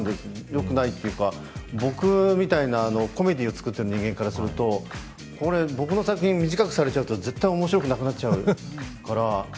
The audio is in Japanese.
よくないというか僕みたいなコメディーを作っている人間からすると、僕の作品、短くされちゃうと絶対面白くなくなっちゃうから。